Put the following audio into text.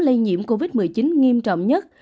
lây nhiễm covid một mươi chín nghiêm trọng nhất